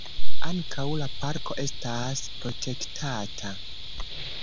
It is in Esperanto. Ankaŭ la parko estas protektata.